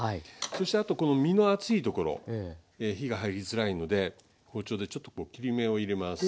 そしてあとこの身の厚いところ火が入りづらいので包丁でちょっとこう切り目を入れます。